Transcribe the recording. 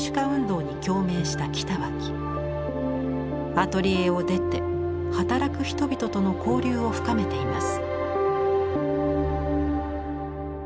アトリエを出て働く人々との交流を深めています。